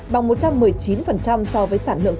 bằng một trăm một mươi chín so với sản lượng